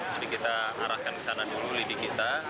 jadi kita arahkan ke sana dulu lebih kita